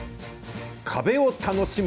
壁を楽しむ。